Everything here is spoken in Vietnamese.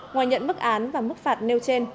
ngoài nhận mức án và mức phạt nêu trên